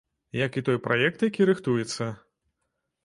Як і той праект, які рыхтуецца.